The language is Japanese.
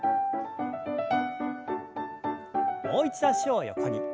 もう一度脚を横に。